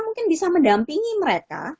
mungkin bisa mendampingi mereka